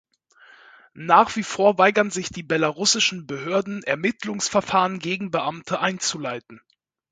Nach wie vor weigern sich die belarussischen Behörden Ermittlungsverfahren gegen Beamte einzuleiten.